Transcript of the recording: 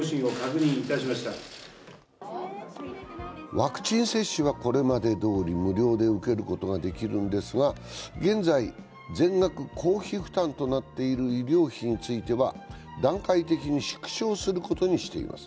ワクチン接種はこれまでどおり無料で受けることができるんですが、現在、全額公費負担となっている医療費については段階的に縮小することにしています。